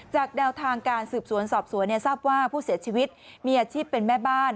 แนวทางการสืบสวนสอบสวนทราบว่าผู้เสียชีวิตมีอาชีพเป็นแม่บ้าน